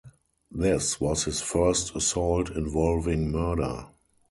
This was his first assault involving murder.